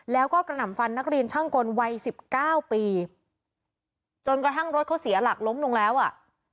แล้วก็กระหน่ำฟันนักเรียนช่างกลวัยสิบเก้าปีจนกระทั่งรถเขาเสียหลักล้มลงแล้วอ่ะ